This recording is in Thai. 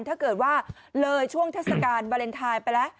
ถ้าเกิดว่าเลยช่วงทัศนการ์บาเลนไทน์ไปละ